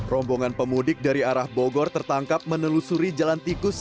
rombongan pemudik dari arah bogor tertangkap menelusuri jalan tikus